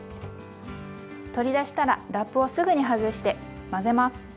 取り出したらラップをすぐに外して混ぜます。